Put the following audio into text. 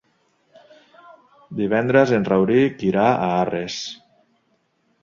Divendres en Rauric irà a Arres.